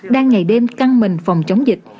đang ngày đêm căng mình phòng chống dịch